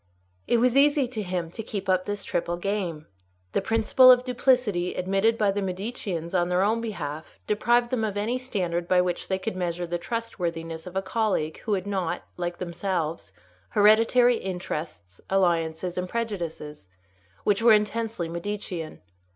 It was easy to him to keep up this triple game. The principle of duplicity admitted by the Mediceans on their own behalf deprived them of any standard by which they could measure the trustworthiness of a colleague who had not, like themselves, hereditary interests, alliances, and prejudices, which were intensely Medicean.